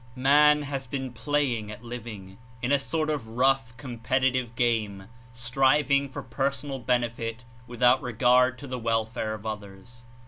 Man has been playing at living, in a sort of rough, competitive game, striving for personal benefit with out regard to the welfare of others.